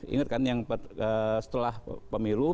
ingat kan yang setelah pemilu